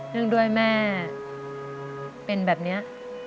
เนื่องด้วยแม่เป็นแบบเนี้ย